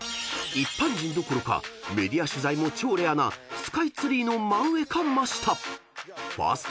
［一般人どころかメディア取材も超レアなスカイツリーの真上か真下］